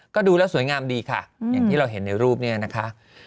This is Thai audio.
ก็ดูแล้วสวยงามดีค่ะอย่างที่เราเห็นในรูปนี้นะคะ